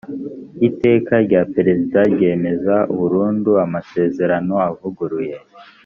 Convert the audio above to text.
iteka rya perezida ryemeza burundu amasezerano avuguruye .